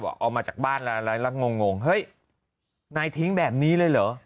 ออกมาจากบ้านแล้วงงเฮ้ยนายทิ้งแบบนี้เลยเหรอ